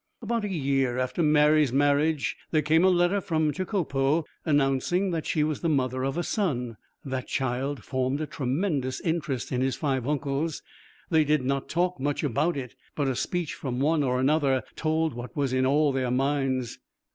About a year after Mary's marriage there came a letter from Jacopo announcing that she was the mother of a son. That child formed a tremendous interest to his five uncles. They did not talk much about it, but a speech from one or another told what was in all their minds.